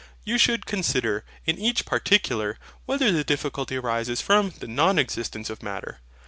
You should consider, in each particular, whether the difficulty arises from the NON EXISTENCE OF MATTER.